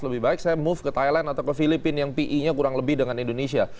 lebih baik saya move ke thailand atau ke filipina yang pi nya kurang lebih dengan indonesia